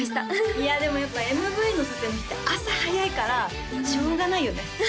いやでもやっぱＭＶの撮影の日って朝早いからしょうがないよね